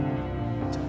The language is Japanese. じゃあ。